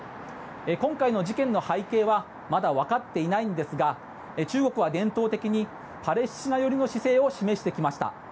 今回の事件の背景はまだ分かっていないんですが中国は伝統的にパレスチナ寄りの姿勢を示してきました。